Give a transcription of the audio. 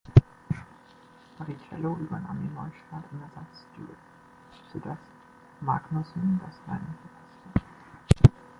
Barrichello übernahm den Neustart im Ersatz-Stewart, so dass Magnussen das Rennen verpasste.